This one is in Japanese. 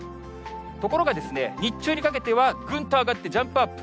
ところが、日中にかけてはぐんと上がってジャンプアップ。